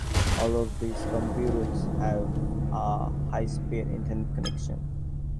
All of these computers have a high-speed internet connection.